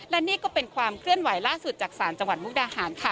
และนี่ก็เป็นความเคลื่อนไหวล่าสุดจากศาลจังหวัดมุกดาหารค่ะ